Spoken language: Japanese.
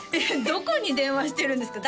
どこに電話してるんですか？